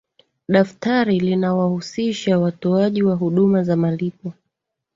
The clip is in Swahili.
daftari linawahusisha watoaji wa huduma za malipo